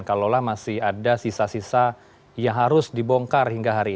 kalau lah masih ada sisa sisa yang harus dibongkar